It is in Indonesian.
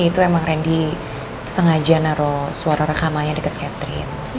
itu emang rani sengaja naruh suara rekamannya dekat catherine